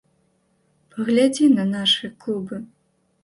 Паглядзі на нашы клубы.